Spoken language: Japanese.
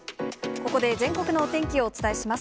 ここで全国のお天気をお伝えします。